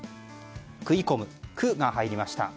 食い込むの「ク」が入りました。